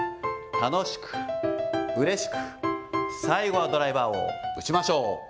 楽しく、うれしく、最後はドライバーを打ちましょう。